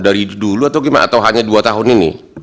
dari dulu atau gimana atau hanya dua tahun ini